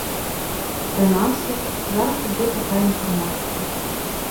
Прынамсі, зараз ідзе такая інфармацыя.